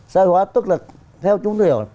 sợi hóa tức là theo chúng tôi hiểu